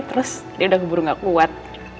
terus dia udah keburu gak kuat